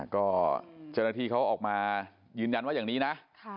ก็เจ้าหน้าที่เขาออกมายืนยันว่าอย่างนี้นะ